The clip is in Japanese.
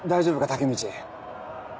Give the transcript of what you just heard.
タケミチ。